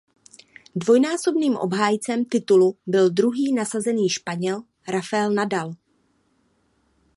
Dvojnásobným obhájcem titulu byl druhý nasazený Španěl Rafael Nadal.